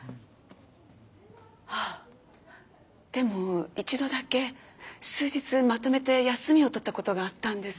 あでも一度だけ数日まとめて休みを取ったことがあったんです。